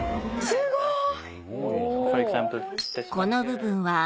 すごい！